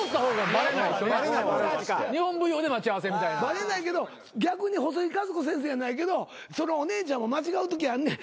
バレないけど逆に細木数子先生やないけどお姉ちゃんも間違うときあんねん。